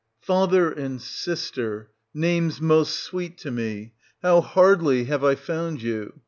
Father and sister, names most sweet to me ! How hardly have I found you